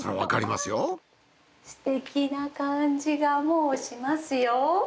すてきな感じがもうしますよ。